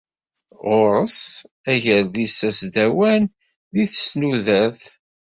Ɣur-s agerdis asdawan deg tesnudert.